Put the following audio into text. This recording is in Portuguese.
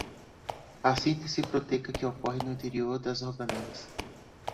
A síntese proteica que ocorre no interior das organelas